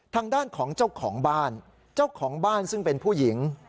ทางด้านของเจ้าของบ้านเจ้าของบ้านซึ่งเป็นผู้หญิง